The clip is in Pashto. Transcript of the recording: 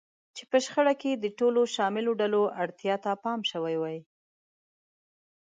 چې په شخړه کې د ټولو شاملو ډلو اړتیا ته پام شوی وي.